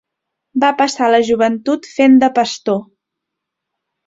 Va passar la joventut fent de pastor.